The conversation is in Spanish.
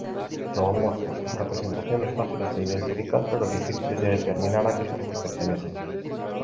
Zoomorfos: representaciones fáciles de identificar pero difíciles de determinar a que especie pertenecen.